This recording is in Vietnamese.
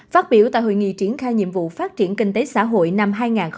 phát biểu tại hội nghị triển khai nhiệm vụ phát triển kinh tế xã hội năm hai nghìn hai mươi